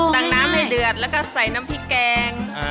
น้ำให้เดือดแล้วก็ใส่น้ำพริกแกง